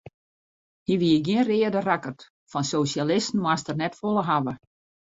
Hy wie gjin reade rakkert, fan sosjalisten moast er net folle hawwe.